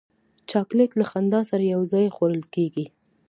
چاکلېټ له خندا سره یو ځای خوړل کېږي.